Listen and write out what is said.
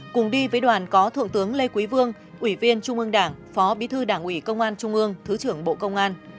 cùng đi với đoàn có thượng tướng lê quý vương ủy viên trung ương đảng phó bí thư đảng ủy công an trung ương thứ trưởng bộ công an